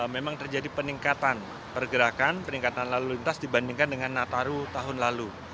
memang terjadi peningkatan pergerakan peningkatan lalu lintas dibandingkan dengan nataru tahun lalu